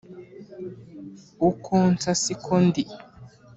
uko nsa siko ndi